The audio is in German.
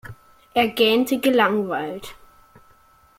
Er gähnte gelangweilt.